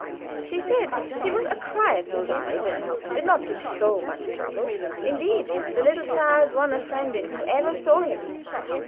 She said he was a quiet child, and "did not give so much trouble." Indeed, the little fellow won a friend in whoever saw him.